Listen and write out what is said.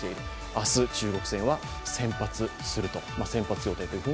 明日、中国戦は先発すると。